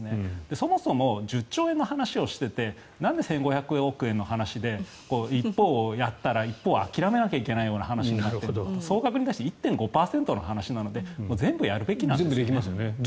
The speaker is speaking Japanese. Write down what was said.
そもそも１０兆円の話をしていてなんで１５００億円の話で一方をやったら一方を諦めなきゃいけなくて総額に対して１．５％の話なので全部やるべきなんですよね。